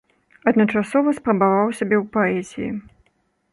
Адначасова спрабаваў сябе ў паэзіі.